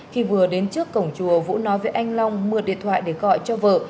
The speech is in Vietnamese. khi vừa đến trước cổng chùa vũ nói với anh long mượn điện thoại để gọi cho vợ